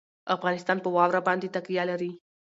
افغانستان په واوره باندې تکیه لري.